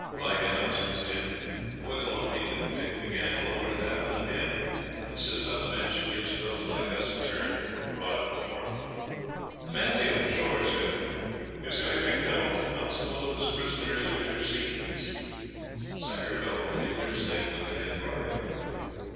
'Like enough,' says Jim. 'More than one we could pick began lower down than him, and sits on the Bench and gives coves like us a turn when we're brought up before 'em. Fancy old George sayin', "Is anything known, constable, of this prisoner's anterseedents?" as I heard old Higgler say one day at Bargo.'